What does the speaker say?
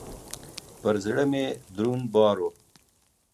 پر زړه مي دروند بار و .